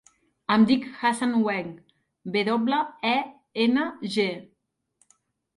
Em dic Hassan Weng: ve doble, e, ena, ge.